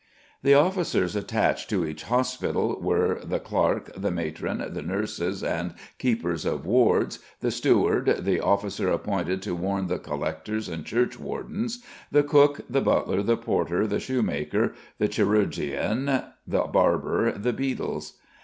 The officers attached to each hospital were "the clerke, the matron, the nurses and keepers of wards, the steward, the officer appointed to warne the collectors and church wardens, the cooke, the butler, the porter, the shoemaker, the chirurgian, the barbour, the bedles."